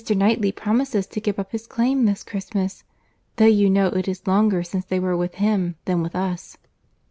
Knightley promises to give up his claim this Christmas—though you know it is longer since they were with him, than with us."